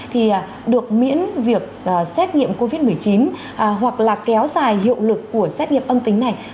thì được miễn việc xét nghiệm covid một mươi chín hoặc là kéo dài hiệu lực của xét nghiệm âm tính này